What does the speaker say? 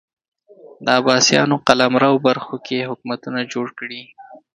د عباسیانو قلمرو برخو کې حکومتونه جوړ کړي